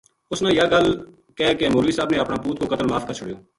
اس نا یاہ گل کہہ کے مولوی صاحب نے اپنا پُوت کو قتل معاف کر چھُڑیو